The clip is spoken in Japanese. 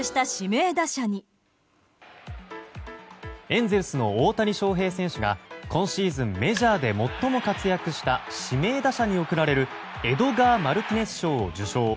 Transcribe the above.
エンゼルスの大谷翔平選手が今シーズン、メジャーで最も活躍した指名打者に贈られるエドガー・マルティネス賞を受賞。